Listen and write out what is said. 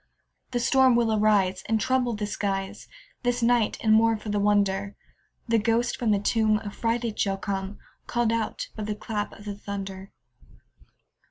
The storm will arise, And trouble the skies This night; and, more for the wonder, The ghost from the tomb Affrighted shall come, Call'd out by the clap of the thunder.